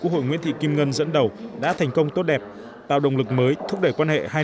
quốc hội nguyễn thị kim ngân dẫn đầu đã thành công tốt đẹp tạo động lực mới thúc đẩy quan hệ hai